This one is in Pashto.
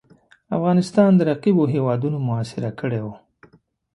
افغانستان د رقیبو هیوادونو محاصره کړی وو.